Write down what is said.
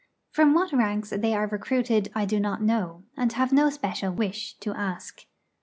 From what ranks they are recruited I do not know, and have no special wish to ask.